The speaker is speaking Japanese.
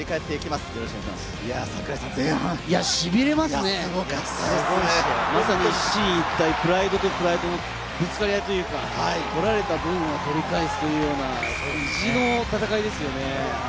まさに一進一退、プライドとプライドのぶつかり合いというか、取られた分は取り返すというような意地の戦いですよね。